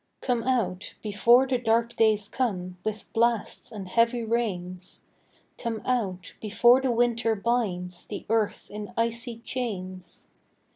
Come out, before the dark days come, With blasts and heavy rains : Come out, before the winter binds The earth in icy chains.